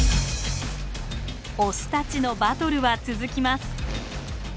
オスたちのバトルは続きます。